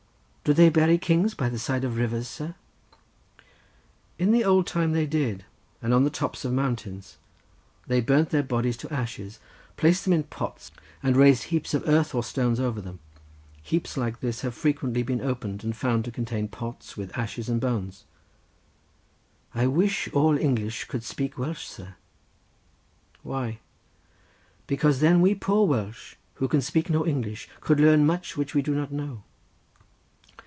"Do they bury kings by the side of rivers, sir?" "In the old time they did, and on the tops of mountains; they burnt their bodies to ashes, placed them in pots and raised heaps of earth or stones over them. Heaps like this have frequently been opened, and found to contain pots with ashes and bones." "I wish all English could speak Welsh, sir." "Why?" "Because then we poor Welsh who can speak no English could learn much which we do not know."